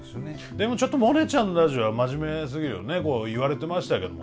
でもちょっとモネちゃんのラジオは真面目すぎるよね言われてましたけども。